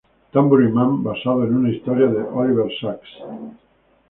Tambourine Man" basado en una historia de Oliver Sacks.